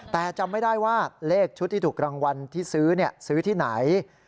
แต่จำไม่ได้ว่าเลขชุดที่ถูกรางวัลที่ซื้อซื้อที่ไหน